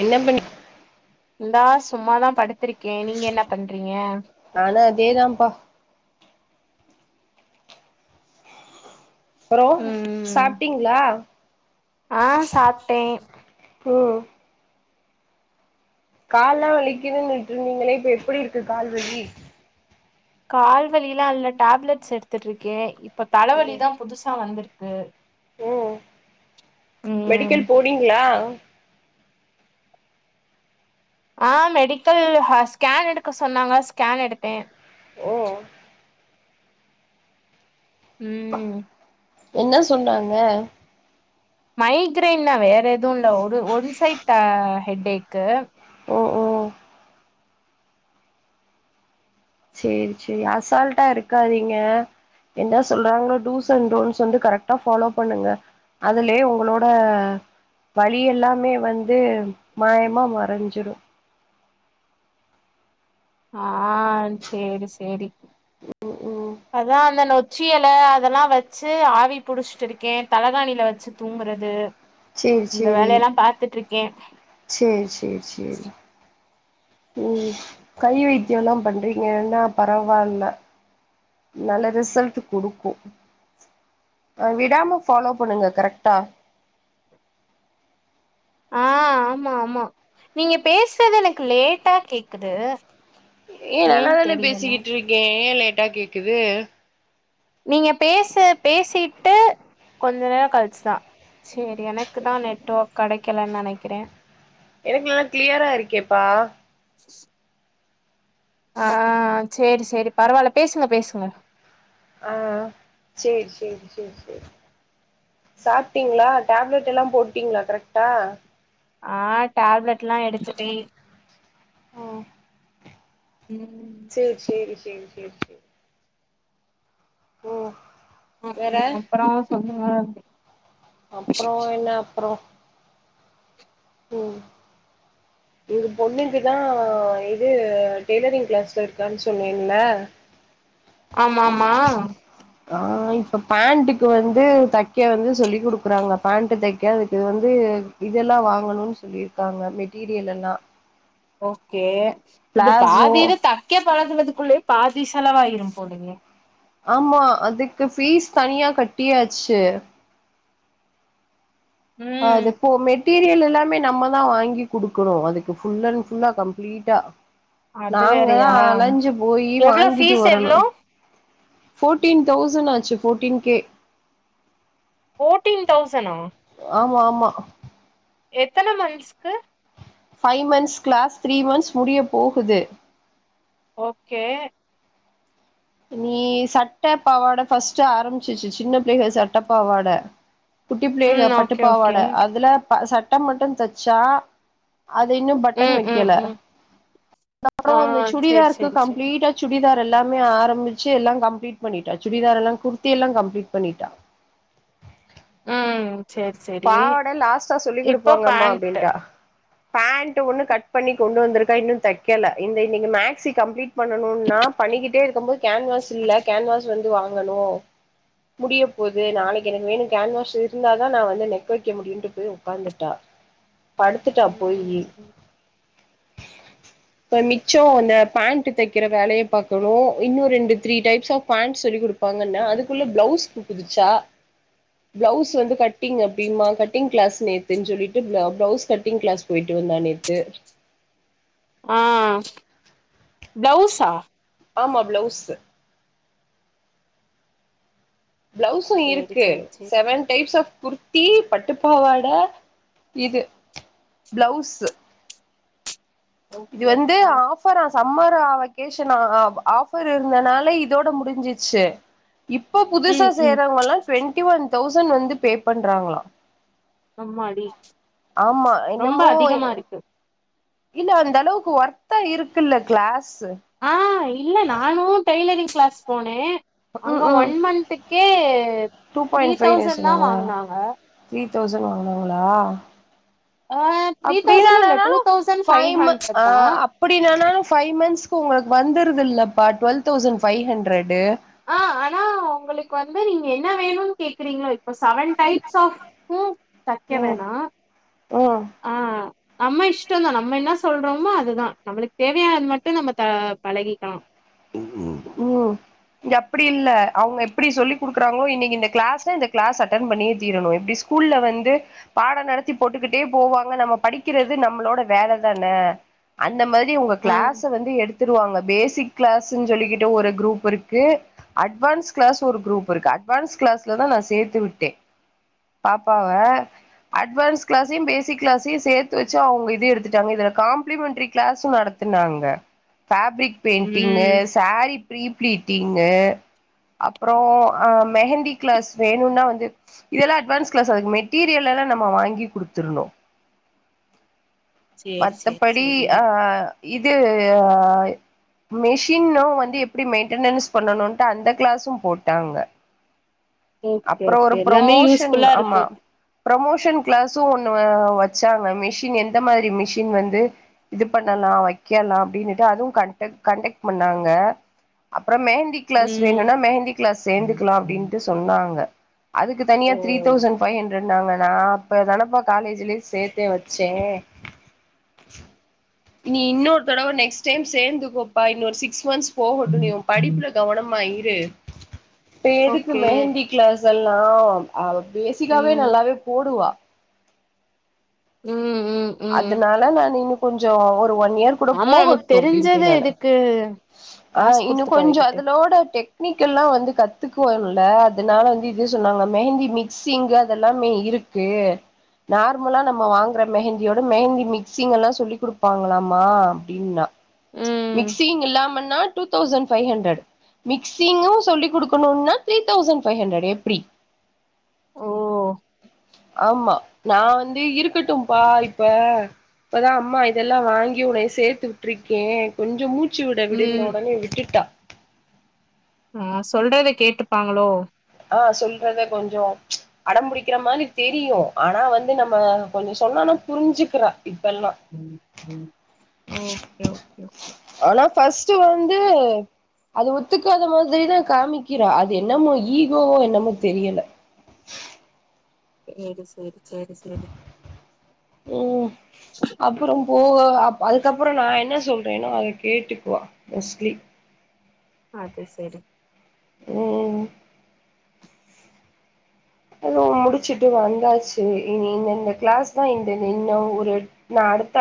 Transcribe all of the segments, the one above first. என்ன பண்ணி இந்தா சும்மாதா படுத்திருக்கே நீங்க என்ன பண்றீங்க நானு அதேதான்ப்பா அப்றோ ம் சாப்ட்டீங்ளா ஆ சாப்ட்டே ம் கால்லா வலிக்குதுன்னுட்டு இருந்தீங்களே இப்ப எப்படி இருக்கு கால்வலி கால்வலில்லா இல்ல டேப்லெட்ஸ் எடுத்துட்டு இருக்கே இப்ப ம் தலைவலிதா புதுசா வந்திருக் ம் ம் மெடிக்கல் போனீங்ளா ஆ மெடிக்கல் ஸ்கேன் எடுக்க சொன்னாங்க ஸ்கேன் எடுத்தே ஓ உம் என்ன சொல்றாங்க மைக்ரைன்ன்னா வேற எதும் இல்ல ஒரு ஒன் சைட் த ஹெட்டேக்கு ஓ ஓ சேர் செரி அசால்ட்டா இருக்காதீங்க என்ன சொல்றாங்களோ டூஸ் அண்ட் டோன்ஸ் வந்து கரெக்டா ஃபாலோ பண்ணுங்க அதுலே ஒங்களோட வலி எல்லாமே வந்து மாயம்மா மறஞ்சிரும் ஆ சேரி சேரி ஓ அதா அந்த நொச்சியல அதெல்லா வச்சு ஆவி புடிச்சிட்டு இருக்கேன் தலகாணியில வச்சு தூங்குறது சேரி இந்த சேரி வேலயெல்லா பாத்துட்டுட்ருக்கேன் உம் கை வைத்தியம்ல்லா பண்றீங்கன்னா பரவால்ல நல்ல ரிசல்ட்டு குடுக்கும் அ விடாம்ம ஃபாலோ பண்ணுங்க கரெக்டா ஆ ஆம்மா ஆமா நீங்க பேசுறது எனக்கு லேட்டா கேக்குது ஏ ஏன் நல்லாாதான தெரியல பேசிக்கிட்ருக்கேன் யேன் லேட்டா கேக்குது நீங்க பேச பேசிட்டு கொஞ்ச நேரோ கழிச்சுதா சேரி எனக்கு தா நெட் ஒர்க் கடைக்கலன் நனைக்கிறேன் எனக்கு எல்லா கிளியரா இருக்கேப்பா ஆ சேரி சேரி பரவால்ல பேசுங்க பேசுங்க ஆ சேரி சேரி சேரி சேரி சாப்ட்டீங்களா டேப்லெட் எல்லா போட்டீங்களா கரெக்டா ஆ டேப்லெட்லா எடுத்துட்டே ஓ ம் சேரி சேரி சேரி சேரி ஓ வேற அப்றோ சொல்லுங்க அப்புறோ என்ன அப்புறோ எங்க பொண்ணுக்குதா இது டெய்லரிங் கிளாஸ் போய்ருக்கான்னு சொன்னேன்ல ஆமா ஆமா அ இப்போ பேண்ட்டுக்கு வந்து தைக்க வந்து சொல்லி் கொடுக்குறாங்க பேண்ட் தைக்க அதுக்கு இது வந்து இதெல்லா வாங்கணுனு சொல்லிருக்காங்க மெட்டீரியல் எல்லா ஓகே இது பிளாசோ பாதில தைக்க பழகுறதுக்குள்ளேயே பாதி செலவாயிரும் போலயே ஆமா அதுக்கு ஃபீஸ் தனியா கட்டியாச்சு அது ம் இப்போ மெட்டீரியல் எல்லாமே நம்ம நா வாங்கி குடுக்கணு அதுக்கு ஃபுல் அண்ட் ஃபுல்லா கம்ப்ளீட்டா அது நாங்கதா வேறயா அலைஞ்சு போயி எவ்ளோ வாங்கிட்டு ஃபீஸ் வரணு எவ்ளோ ஃபோர்டீன் தௌசண்ட் ஆச்சு ஃபோர்டீன் கே ஃபோர்டீன் தௌசனா ஆமா ஆமா எத்தன மன்ஸ்க்கு five months class three months முடிய போகுது ஓகே நீ சட்ட பாவாட ஃபர்ஸ்ட்டு ஆரம்பிச்சிச்சு சின்ன பிள்ளைல சட்ட பாவாட குட்டி ம் பிள்ளைக ஓகே ஓகே பட்டுப்பாவாடை அதுல ப சட்ட மட்டும் தச்சா அது இன்னும் பட்டன் ம் ம் வைக்கல ம் அதுக்கு ஆ அப்புறம் அந்த சேரி சுடிதார்க்கு சேரி சேரி கம்ப்ளீட்டா சுடிதார் எல்லாமே ஆற ச்சு எல்லா கம்ப்ளீட் பண்ணிட்டா சுடிதாரல்லா குர்த்தி எல்லா கம்ப்ளீட் பண்ணிட்டா ம் ம் பாவாடை லாஸ்டா சொல்லி் குடுப்பாங்க அம்மா பேண்ட்டு அப்படின்டா பேண்ட் ஒண்ணு கட் பண்ணி கொண்டு வந்திருக்கா இன்னு தைக்கல இந்த இன்னைக்கு மேக்சி கம்ப்ளீட் பண்ணணும்னா பண்ணிக்கிட்டே இருக்கும் போது கேன்வாஸ் இல்ல கேன்வாஸ் வந்து வாங்கனு முடிய போது நாளைக்கு எனக்கு வேணு கேன்வாஸ் இருந்தாதா நா வந்து நெக்கு வைக்க முடியின்ட்டு போய் உட்காந்துட்டா படுத்துட்டா ம் போய்யி ம் இப்ப மிச்சம் அந்த பேண்ட் தைக்கிற வேலைய பாக்கணு இன்னு ரெண்டு த்ரீ டைப்ஸ் ஆஃப் பேண்ட்ஸ் சொல்லி குடுப்பாங்கன்னா அதுக்குள்ள ப்ளவுஸ்க்கு குதிச்சா ப்ளவுஸ் வந்து கட் கட்டிங் அப்டியுமா கட்டிங் கிளாஸ் நேத்துன்னு சொல்லிட்டு ப்ளவுஸ் கட்டிங் கிளாஸ் போயிட்டு வந்தா நேத்து ப்ளவுசா ஆமா ப்ளவுஸு ப்ளவுஸு சேரி இருக்கு sari sari seven types of kurti பட்டுப்பாவாட இது ப்ளவுஸு இது ஓகே வந்து ஓகே ஆஃபரா சம்மரா வெகேஷனா ஆஃபர் இருந்தனால இதோட முடிஞ்சிச்சு இப்ப புதுசா ம் ம் சேர்றவங்கல்லா ட்வெண்டி ஒன் தௌசண்ட் வந்து பே பண்றாங்களா அம்மாடி ஆமா ரொம்ப என்னமோ அதிகமா இருக்கு இல்ல அந்த அளவுக்கு ஒர்த்தா இருக்குல்ல கிளாஸ் ஆ இல்ல நானு டெய்லரிங் கிளாஸ் போனே அங்க ம் ம் ஒன் மந்த்துக்கே two three point five thousand தா சொன்னாங்களா வாங்னாங்க த்ரீ தௌசண்ட் வாங்குனாங்களா ஆ த்ரீ தௌசண்ட் இல்ல டூ அப்படின்னனாலும் தௌசண்ட் ஃபைவ் மந் ஹண்ட்ரட் தா ஆஹ் அப்படினனாலும் ஃபைவ் மந்த்ஸ்க்கு உங்க ளுக்கு வந்துருதுல்லப்பா டுவெல்வ் தௌசண்ட் ஃபைவ் ஹண்ட்ரட் ஆஹ் ஆனா உங்களுக்கு வந்து நீங்க என்ன வேணும்னு கேக்குறீங்கள் இப்ப செவன் டைப்ஸ் ஆஃப் தைக்க ம் வேணாம் ம் ஆஹ் நம்ம இஷ்டம் தான் நம்ம என்ன சொல்றோமோ அதுதான் நம்மளுக்கு தேவையானது மட்டும் நம்ம பழகிக்கலாம் உம் இங்க அப்படி இல்ல அவுங்க எப்படி சொல்லி குடுக்குறாங்களோ இன்னைக்கு இந்த க்ளாஸ் இந்த க்ளாஸ் அட்டன் பண்ணியே தீரணும் எப்படி ஸ்கூல்ல வந்து பாடம் நடத்தி போட்டுக்கிட்டே போவாங்க நம்ம படிக்கிறது நம்மளோட வேல தானே இந்த மாதிரி உங்க ஆ க்ளாஸை வந்து எடுத்துடுவாங்க பேசிக் க்ளாஸ்ஸுன்னு சொல்லிக்கிட்டு ஒரு குரூப் இருக்கு அட்வான்ஸ் க்ளாஸ் ஒரு குரூப் இருக்கு அட்வான்ஸ் க்ளாஸ்ல தான் நா நா சேத்து விட்டேன் பாப்பாவ அட்வான்ஸ் கிளாஸையும் பேசிக் கிளாஸையும் சேர்த்து வச்சு அவுங்க இது எடுத்துட்டாங்க இதுல காம்ளிமெண்டரி கிளாஸும் நடத் துனாங்க பாப்ரிக் டிங்கு ம் சாரீ ப்ரீ ப்ளீட்டிங்கு அப்புறம் ஆஹ் மெஹந்தி கிளாஸ் வேணும்னா வந்து இதெல்லாம் அட்வான்ஸ் கிளாஸ்க்கு மெட்டீரியல் அதெல்லா நம்ம வாங்கி குடுத்துருணும் சேரி சேரி மத்தபடி சேரி அஹ் இது ஹ மிஷின்னும் வந்து எப்படி மெயின்டனன்ஸ் பண்ணனும்ட்டு அந்த கிளாஸும் போட்டாங்க ஓகே அப்புறம் ஓகே ஒரு எல்லாமே ப்ரமோஷன் யூஸ்ஃபுல்லா ஆமா இருக்கு ப்ரமோஷன் கிளாஸும் ஒன் வச்சாங்க மிஷின் எந்த மாதிரி மிஷி மிஷின் வந்து இது பண்ணலாம் வைக்கலாம் அப்படின்னுட்டு அதுவும் கண்ட கண்டக்ட் பண்ணாங்க [unintelligible] அப்புறம் மெஹந்தி கிளாஸ் ம் வேணும்னா மெஹந்தி கிளாஸ் சேர்ந்துக்கலாம் அப்படின்னுட்டு சொன்னாங்க அதுக்கு தனியா ஓ த்ரி தௌசண்ட் ஃபைவ் ஹண்ட்ரட் நாங்க நா அப்ப தானப்பா காலேஜ்லயே சேத்தே வச்சேன் இனி இன்னொரு தடவ நெக்ஸ்ட் டைம் சேர்ந்துக்கப்பா இன்னொரு சிக்ஸ் மந்த்ஸ் போகட்டும் நீ உன் படிப்புல கவனமா இரு இப்ப எதுக்கு ஓகே மெஹந்தி க்ளாஸ் இதெல்லாம் பேஸிக்காவே ம் நல்லாவே போடுவா உம் அதனால நான் இன்னும் கொஞ்சம் ஒரு ஒன் ஒன் இயர் கூட ஆமா நமக்கு போகட்டும் அப்படின்ட தெரிஞ்சது நானு எதுக்கு காசு ஆஹ் குடுத்து இன்னும் கொஞ்சம் பழகிட்டு அது லோடடெக் டெக்னிக் எல்லாம் வந்து கத்துக்குவோம்ல அதனால வந்து இது சொன்னாங்க மெஹந்தி மிக்சிங் அதெல்லாமே இரு க்கு நார்மலா நம்ம வாங்குற மெஹந் தியோட மெஹந்தி மிக்சிங் எல்லாம் சொல்லி் குடுப்பாங்களாமா அப்படின்னா ம் மிக்சிங் இல்லாமன்னா டூ தௌசண்ட் ஃபைவ் ஹண்ட்ரட் மிக்சிங்கும் சொல்லி் குடுக்கணும்னா த்ரீ தௌசண்ட் ஃபைவ் ஹண்ட்ரட் எப்படி ஓ ஆமா நா வந்து இருக்கட்டும்ப்பா இப்ப இப்பதான் அம்மா இதெல்லாம் வாங்கி உன்ன சேர்த்து விட்டுருக்கேன் கொஞ்சம் மூச் ச்சுட ம் விடனு உடனே விட்டுட்டா ஆஹ் சொல்றத கேட்டுப்பாங்களோ ஆஹ் சொல்றத கொஞ்சம் அடம்பிடிக்கிற மாதிரி தெரியும் ஆனா வந்து நம்ம கொஞ்சம் சொன்னானா புரிஞ்சுக்கிறா இப்பெல்லா ஓகே ஓகே ஆனா ஃபர்ஸ்ட் வந்து அது ஒத்துக்காத மாதிரிதான் காமிக்கிறா அது என்னமோ ஈகோவோ என்னமோ தெரியல சேரி சேரி சேரி சேரி ம் அப்புறம் போக அதுக்கப்புறம் நா என்ன சொல்றேன்னோ அத கேட்டுக்குவா மோஸ்ட்லி அது சரி ஓ அதுவு முடிச்சுட்டு வந்தாச்சு இனி இந்தந்த க்ளாஸ் தா இந்த இன்னொ ஒரு நா அடுத்த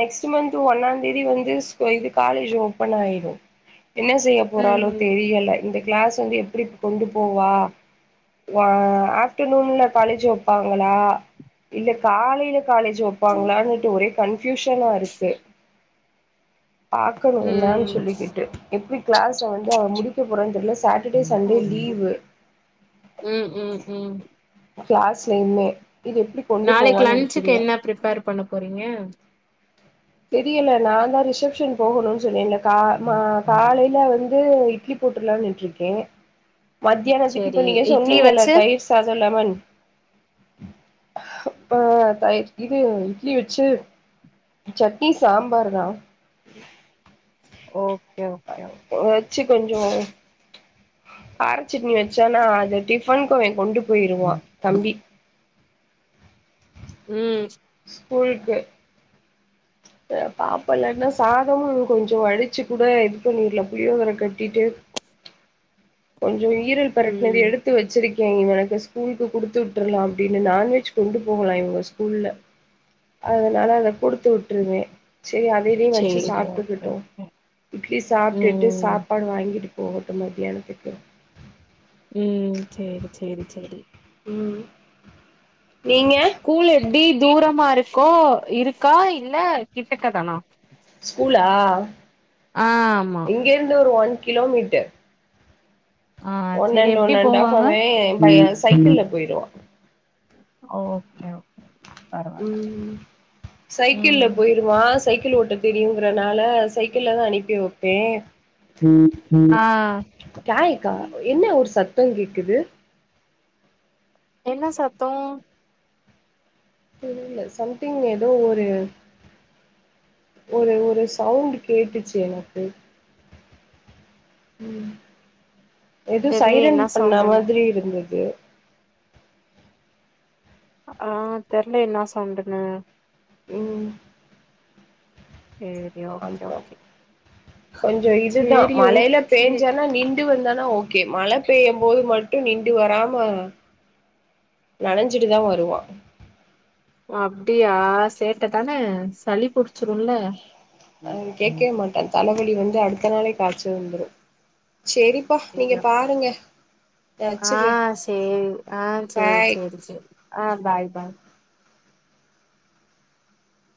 நெக்ஸ்ட் மந்த் ஒன்னா தேதி வந்து இது காலேஜ் ஓபன் ஆயிடும் என்ன செய்ய போறாலோ ம் தெரியல இந்த கிளாஸ் எப்டி கொண்டு போவா ஆப்டர்நூன்ல காலேஜ் வைப்பாங்களா இல்ல காலே காலேஜ் வைப்பாங்களான்ட்டு ஒரே கன்பியூஷனா இருக்கு பாக்கணு என்னன்னு சொல்லிக்கிட்டு எப்டி கிளாஸ்ல வந்து அவ முடிக்க போறேன்னு தெர்ல Saturday Sunday okay leave okay ம் ம் ம் கிளாஸ்லைமே நாளைக்கு லன்சுக்கு என்ன ப்ரிப்பார் பண்ண போறீங்க தெரியல நா தா ரிசப்ஷன் போகணும்னு சொன்னேல்ல கா காலயில வந்து வந்து இட்லி போட்டுலாம்னுட்டு இருக்கே மத்தியானத்துக்கு இப்ப சேரி நீங்க இட்லி சொன்னீங்கல்ல வச்சு தயிர் சாதலெமன் அ இது இட்லி வச்சு சட்னி சாம்பார் தா ஓகே ஓகே ஓகே கொஞ்ச காரசட்னி வச்சன்னா அத டிஃபன்கு கொண்டு போயிருவா ம் தம்பி ம் ஸ்கூல்கு பாப்போ இலன்னா சாதமும் கொஞ்ச வடிச்சு கூட இது பண்ணிடலா புளியோகர கட்டிட்டு கொஞ்ச ஈரல் பெரட்டினது எடுத்து வச்சிருக் இவனுக்கு ஸ்கூல்கு குடுத்து விட்ரலா அப்டின்னு நான்வெஜ் கொண்டு போகலா இவங்க ஸ்கூல்ல அதனால அத குடுத்து விட்ருவே சேரி அதயு இதயு வச்சு சேரி ஓகே சாப்டுக்கட்டு ஓகே இட்லி சாப்டுட்டு ம் சாப்பாடு வாங்கி போகட்டு மத்தியானத்துக்கு ம் சேரி சேரி சேரி ம் நீங்க ஸ்கூல் எப்டி தூரமா இருக்கோ இருக்கா இல்ல கிட்டக்க தானா ஸ்கூலா ஆ ஆமா இங்க இருந்து ஒரு ஒன் கிலோமீட்டர் ஆ ஒன் சேரி அண்ட் எப்டி ஒன் அண்ட் ஆஃப் போவாங்க அவ பைய சைக்கிள்ல போயிருவா ஓகே ஒ ம் சைக்கிள்ல ம் போயிருவா சைக் கிள் ஓட்ட தெரியுங்கறனால சைக்கிள்ளதா அனுப்பி வப்பே ஆ காயக்கா என்ன ஒரு சத்தம் கேக்குது என்ன சத்தம் தெரியல சம்திங் எதோ ஒரு ஒரு ஒரு சவுண்ட் கேட்டுச்சு எனக்கு எதோ தெர்லயே என்ன சைரன் பண்ண சவுண்டுன்னு மாத்ரி இருந்தது ஆ தெர்லயே என்னா சௌண்டுன்னு ம் சேரி ஓகே ஓகே கொஞ்ச இதுதா சேரி மழயில ஓகே பெஞ்சன்னா நீ ண்டு வந்தானா ஓகே மழ பெய்யும் போது மட் டும் நிண்டு வராம நனச்சிட்டுதா வருவா அப்டியா சேட்டதானே சளி புடிச்சுருல அவன் கேட்கவே மாட்டான் தலவலி வந்து அடுத்த நாளே காச்ச வந்துரும் சேரிப்பா நீங்க ஐயப்பா பாருங்க நா ஆ வச்சுட்றே சேரி ஆ சேரி பாய் சேரி சேரி ஆ பாய் பாய்